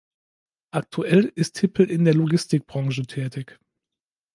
Aktuell ist Hippel in der Logistikbranche tätig.